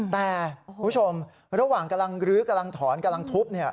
แต่คุณผู้ชมระหว่างกำลังรื้อกำลังถอนกำลังทุบ